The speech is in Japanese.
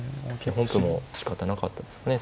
本譜もしかたなかったですかね